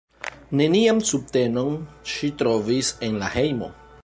Nenian subtenon ŝi trovis en la hejmo.